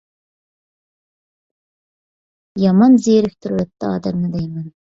يامان زېرىكتۈرۈۋەتتى ئادەمنى دەيمەن.